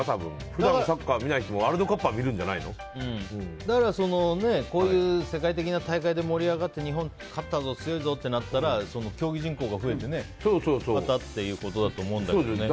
普段サッカー見ない人もワールドカップはこういう世界的な大会で盛り上がって日本勝ったぞ強いぞってなったら競技人口が増えてまたということだと思いますけどね。